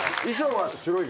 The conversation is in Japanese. はい。